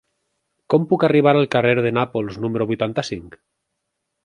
Com puc arribar al carrer de Nàpols número vuitanta-cinc?